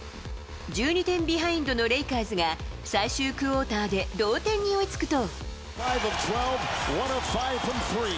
１２点ビハインドのレイカーズが最終クオーターで同点に追いつくと。